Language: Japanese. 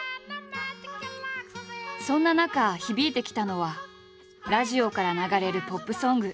そんな中響いてきたのはラジオから流れるポップソング。